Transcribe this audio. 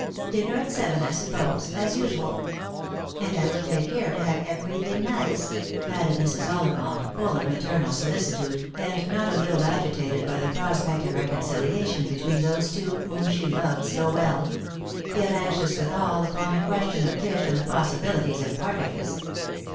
Dinner at seven, I suppose, as usual ? And I will take care to have everything nice," added Mrs. Ollivant, full of maternal solici tude, and not a little agitated by the prospect of reconciliation between those two whom she loved so well ; yet anxious withal upon the question of fish and the possibilities of partridges.